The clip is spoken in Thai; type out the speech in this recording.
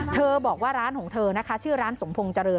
เธอบอกว่าร้านของเธอนะคะชื่อร้านสมพงษ์เจริญ